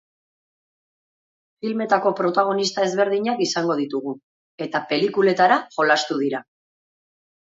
Filmetako protagonista ezberdinak izango ditugu eta pelikuletara jolastu dira.